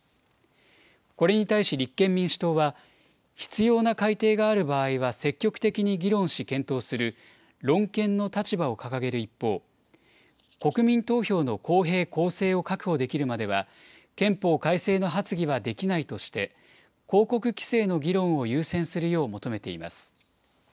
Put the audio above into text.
これに対し立憲民主党は、必要な改定がある場合は積極的に議論し検討する、論憲の立場を掲げる一方、国民投票の公平・公正を確保できるまでは、憲法改正の発議はできないとして、広告規制の議論を優先するよう求めています。